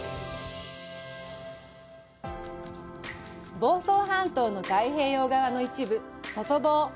房総半島の太平洋側の一部、外房。